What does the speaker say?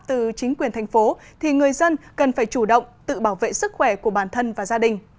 từ chính quyền thành phố thì người dân cần phải chủ động tự bảo vệ sức khỏe của bản thân và gia đình